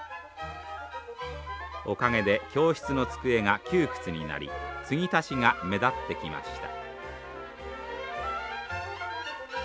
おかげで教室の机が窮屈になり継ぎ足しが目立ってきました。